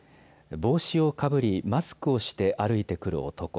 帽子をかぶり、マスクをして歩いてくる男。